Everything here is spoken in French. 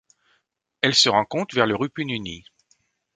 Elle se rencontre vers le Rupununi.